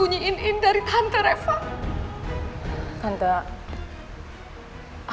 yang mendatangkan nya